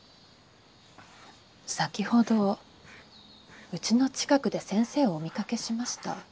先ほどうちの近くで先生をお見かけしました。